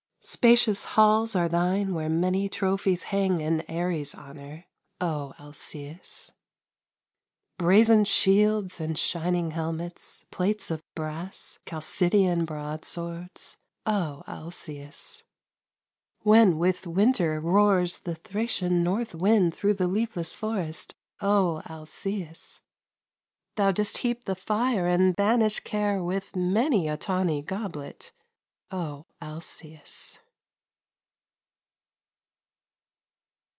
Spacious halls are thine where many Trophies hang in Ares' honor, O Alcæus! Brazen shields and shining helmets, Plates of brass, Chalcidian broad swords, O Alcæus! When with winter roars the Thracian North wind through the leafless forest, O Alcæus! Thou dost heap the fire and banish Care with many a tawny goblet, O Alcæus!